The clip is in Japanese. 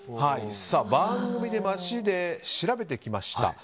番組で、街で調べてきました。